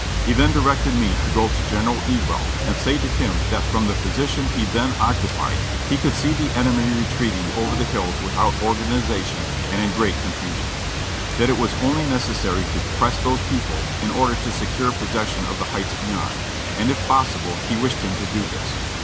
He then directed me to go to General Ewell and say to him that from the position he then occupied he could see the enemy retreating over the hills without organization and in great confusion ; that it was only necessary to 'press those people,' in order to secure possession of the heights beyond ; and if possible, he wished him to do this.